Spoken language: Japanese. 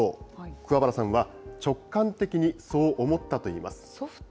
桑原さんは直感的にそう思ったといいます。